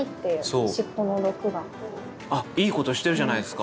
あっいいこと知ってるじゃないですか。